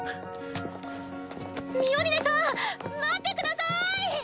ミオリネさん待ってください！